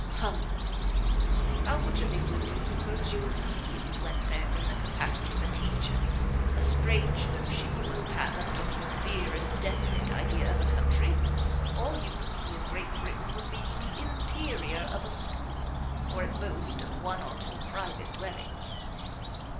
"Hum! How much of England do you suppose you could see if you went there in the capacity of a teacher? A strange notion you must have of getting a clear and definite idea of a country! All you could see of Great Britain would be the interior of a school, or at most of one or two private dwellings."